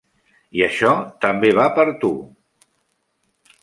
I això també va per tu!